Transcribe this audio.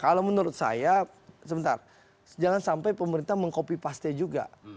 kalau menurut saya sebentar jangan sampai pemerintah mengkopipaste juga